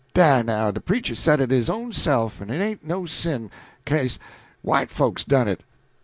Dah, now de preacher said it his own self, en it ain't no sin, 'ca'se white folks done it.